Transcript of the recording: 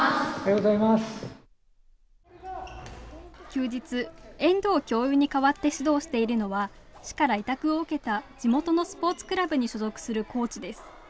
休日、遠藤教諭に代わって指導しているのは市から委託を受けた地元のスポーツクラブに所属するコーチです。